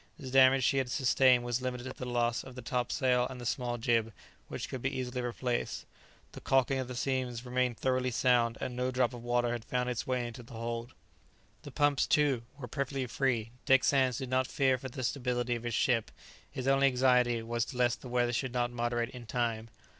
The damage she had sustained was limited to the loss of the topsail and the small jib, which could be easily replaced. The caulking of the seams remained thoroughly sound, and no drop of water had found its way into the hold. The pumps, too, were perfectly free. Dick Sands did not fear for the stability of his ship; his only anxiety was lest the weather should not moderate in time.